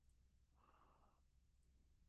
Estados Unidos